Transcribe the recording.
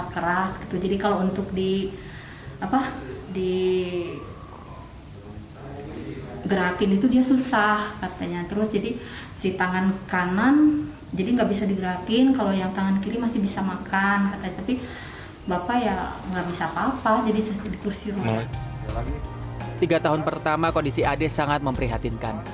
kondisi kondisi ade sangat memprihatin